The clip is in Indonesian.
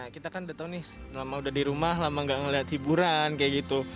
kita kan udah tau nih lama udah di rumah lama gak ngeliat hiburan kayak gitu